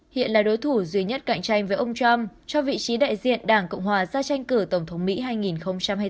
hiện là đối thủ duy nhất cạnh tranh với ông trump cho vị trí đại diện đảng cộng hòa ra tranh cử tổng thống mỹ hai nghìn hai mươi bốn